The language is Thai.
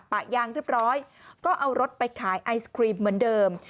ปะยางเรียบร้อยก็เอารถไปขายไอศครีมเหมือนเดิม